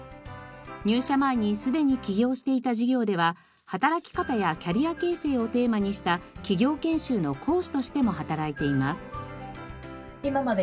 入社前にすでに起業していた事業では働き方やキャリア形成をテーマにした企業研修の講師としても働いています。